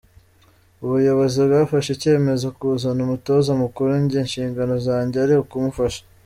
Ubuyobozi bwafashe icyemezo buzana umutoza mukuru njye inshingano zanjye ari ukumufasha.